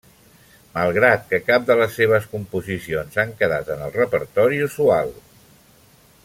Malgrat que cap de les seves composicions han quedat en el repertori usual.